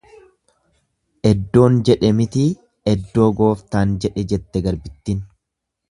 Eddoon jedhe mitii eddoo gooftaan jedhan jette garbittin.